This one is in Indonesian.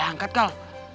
gak diangkat kal